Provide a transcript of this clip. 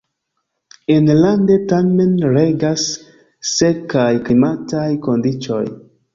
Enlande tamen regas sekaj klimataj kondiĉoj.